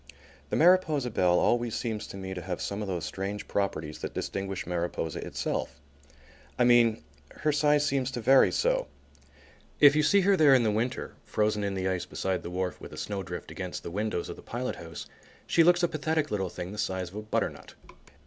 The Mariposa Belle always seems to me to have some of those strange properties that distinguish Mariposa itself. I mean, her size seems to vary so. If you see her there in the winter, frozen in the ice beside the wharf with a snowdrift against the windows of the pilot house, she looks a pathetic little thing the size of a butternut.